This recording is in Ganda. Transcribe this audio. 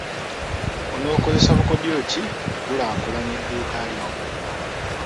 Onookozesa bukodyo ki okukulaakulanya edduuka lyange.